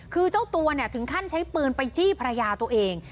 คือเจ้าตัวถึงขั้นใช้ปืนไปจี้ภรรยาตัวเอง